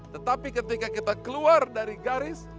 tetapi ketika kita keluar dari garis